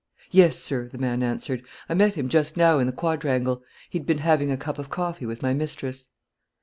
"Yes, sir," the man answered; "I met him just now in the quadrangle. He'd been having a cup of coffee with my mistress."